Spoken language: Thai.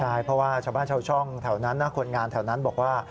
ใช่เพราะว่าชาวบ้านชาวช่องแถวนั้นนะคนงานแถวนั้นบอกว่า